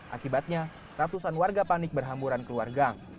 akibatnya ratusan warga panik berhamburan keluarga